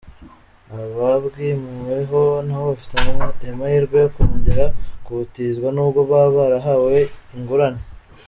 Ababwimuweho na bo bafite aya mahirwe yo kongera kubutizwa n’ubwo baba barahawe ingurane.